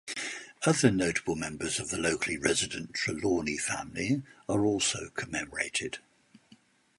Other notable members of the locally resident Trelawny family are also commemorated.